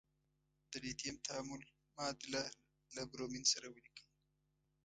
د لیتیم تعامل معادله له برومین سره ولیکئ.